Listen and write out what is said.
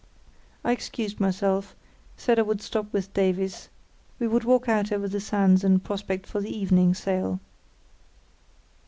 I excused myself, said I would stop with Davies; we would walk out over the sands and prospect for the evening's sail.